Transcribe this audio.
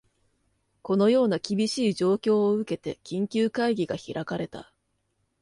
このような厳しい状況を受けて、緊急会議が開かれた